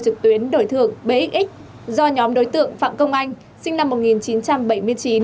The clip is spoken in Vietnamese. trực tuyến đổi thượng bxx do nhóm đối tượng phạm công anh sinh năm một nghìn chín trăm bảy mươi chín